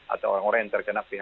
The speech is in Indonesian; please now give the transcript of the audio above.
atau orang orang yang terkena phk